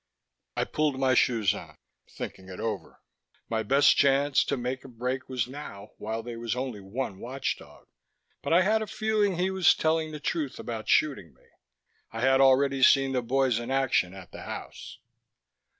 I pulled my shoes on, thinking it over. My best chance to make a break was now, while there was only one watchdog. But I had a feeling he was telling the truth about shooting me. I had already seen the boys in action at the house.